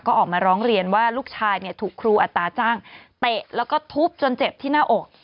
ก็ออกมาร้องเรียนว่าลูกชายถูกครูอัตราจ้างเตะแล้วก็ทุบจนเจ็บที่หน้าอก